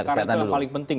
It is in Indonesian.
karena itu yang paling penting